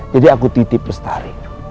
jadi aku titip bestari